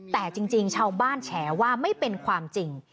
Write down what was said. แต่จริงชาวบ้านแฉว่าไม่เป็นความจริง